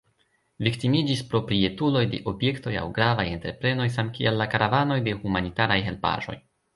Viktimiĝis proprietuloj de objektoj aŭ gravaj entreprenoj samkiel la karavanoj de humanitaraj helpaĵoj.